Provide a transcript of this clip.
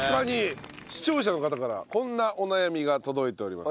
視聴者の方からこんなお悩みが届いております。